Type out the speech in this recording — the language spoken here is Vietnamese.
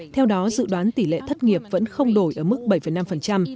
theo đó dự đoán tỷ lệ thất nghiệp vẫn không đổi ở mức bảy năm